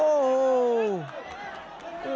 โอ้โห